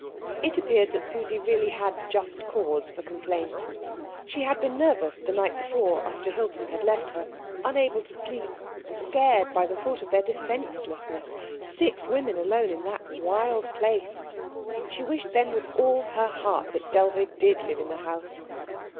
It appeared that Susie really had just cause for complaint. She had been nervous the night before after Hilton had left her, unable to sleep, and scared by the thought of their defencelessness six women alone in that wild place. She wished then with all her heart that Dellwig did live in the house.